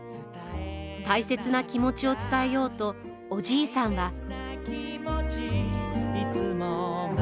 大切な気持ちを伝えようとおじいさんは。